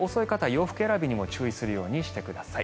洋服選びにもご注意するようにしてください。